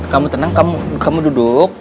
kamu tenang kamu duduk